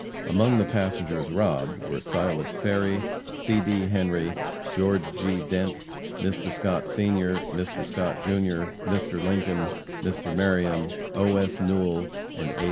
Among the passengers robbed, were Silas Ferry, C. D. Henry, Geo. G. Dent, Mr. Scott, Sr., Mr. Scott, Jr., Mr. Lincoln, Mr. Meriam, O. S. Newell and A.